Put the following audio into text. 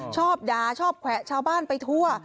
ชอบด่าชอบแขวะชาวบ้านไปทั่ว